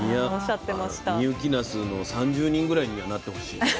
深雪なすの３０人ぐらいにはなってほしいよね。